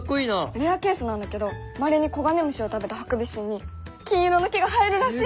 レアケースなんだけどまれに黄金虫を食べたハクビシンに金色の毛が生えるらしいの！